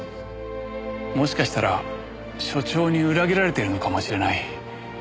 もしかしたら所長に裏切られてるのかもしれない。